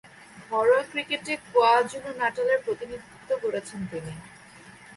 ঘরোয়া ক্রিকেটে কোয়াজুলু-নাটালের প্রতিনিধিত্ব করছেন তিনি।